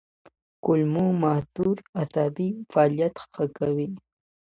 کولمو محور عصبي فعالیت ښه کوي.